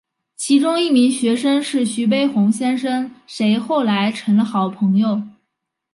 其中一名学生是徐悲鸿先生谁后来成了好朋友。